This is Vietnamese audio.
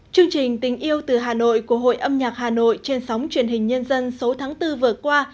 chương trình tình yêu từ hà nội của hội âm nhạc hà nội trên sóng truyền hình nhân dân số tháng bốn vừa qua